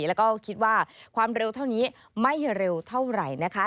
แล้วก็คิดว่าความเร็วเท่านี้ไม่เร็วเท่าไหร่นะคะ